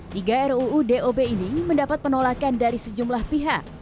tiga ruu dob ini mendapat penolakan dari sejumlah pihak